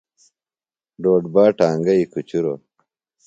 ڈوڈبا ٹانگئی کُچُروۡ۔